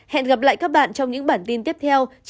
hẹn gặp lại các bạn trong những bản tin tiếp theo trên kênh antv